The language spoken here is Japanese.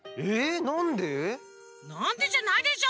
なんでじゃないでしょ